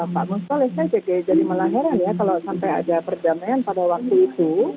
pak mustolis saya jadi malah heran ya kalau sampai ada perdamaian pada waktu itu